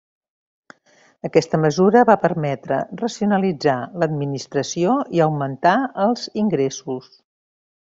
Aquesta mesura va permetre racionalitzar l'administració i augmentar els ingressos.